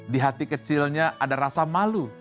di hati kecilnya ada rasa malu